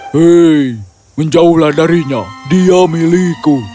hei menjauhlah darinya dia milikku